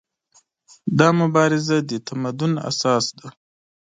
دا مبارزه د تمدن اساس ده.